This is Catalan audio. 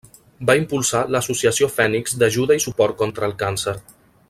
Va impulsar l'Associació Fènix d'ajuda i suport contra el càncer.